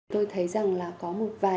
tôi thấy rằng là có một vài